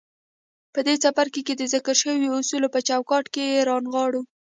په دې څپرکي کې د ذکر شويو اصولو په چوکاټ کې يې رانغاړو.